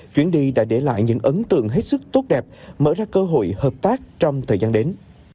chuyến đi đã để lại những ấn tượng hết sức tốt đẹp mở ra cơ hội hợp tác trong thời gian đến